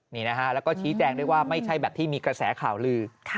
แล้วก็ชี้แจกได้ว่าไม่ใช่แบบที่มีกระแสข่าวลือ